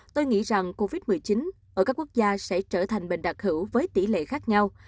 tôi nghĩ rằng covid một mươi chín ở các quốc gia sẽ trở thành bệnh đặc hữu với tỷ lệ khác nhau